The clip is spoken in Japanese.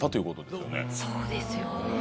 そうですよね。